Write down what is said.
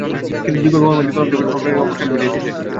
কিন্তু দুই বাহুর মাঝে কলম চেপে ধরে বাবা-মায়ের ভাবনার অবসান ঘটিয়েছে সে।